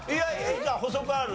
じゃあ補足ある？